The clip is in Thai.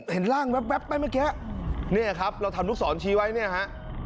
เห็นร่างแว๊บไปเมื่อกี้เนี่ยครับเราทำลูกศรชี้ไว้เนี่ยฮะ